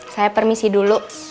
saya permisi dulu